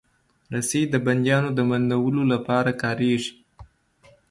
رسۍ د بندیانو د بندولو لپاره کارېږي.